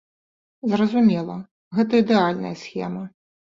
Зразумела, гэта ідэальная схема.